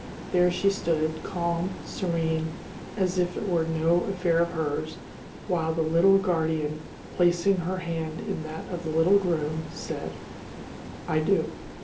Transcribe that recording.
there she stood, calm, serene, as if it were no affair of hers, while the little guardian, placing her hand in that of the little groom, said, "I do."